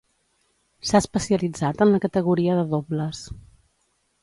S'ha especialitzat en la categoria de dobles.